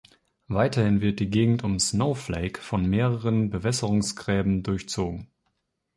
Weiterhin wird die Gegend um Snowflake von mehreren Bewässerungsgräben durchzogen.